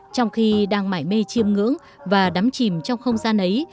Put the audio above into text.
trong khi đang mãi mê chiêm ngưỡng và đắm chìm trong không gian ấy